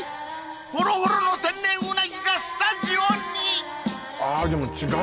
ほろほろの天然うなぎがスタジオに！